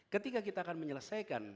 ketika kita akan menyelesaikan